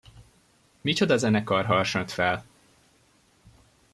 Micsoda zenekar harsant fel!